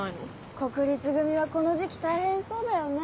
国立組はこの時期大変そうだよね。